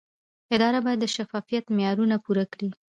اداره باید د شفافیت معیارونه پوره کړي.